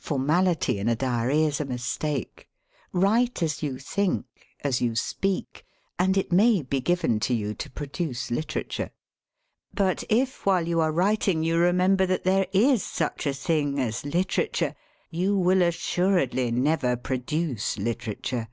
Formality in a diary is a mistake. Write as you think, as you speak, and it may be given to you to produce literature. But if while you are writ ing you remember that there is such a thing as literature, you will assuredly never produce lit erature.